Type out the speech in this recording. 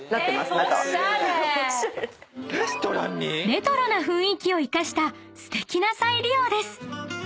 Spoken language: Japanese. ［レトロな雰囲気を生かしたすてきな再利用です］